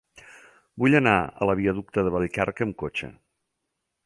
Vull anar a la viaducte de Vallcarca amb cotxe.